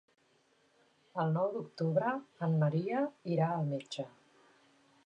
El nou d'octubre en Maria irà al metge.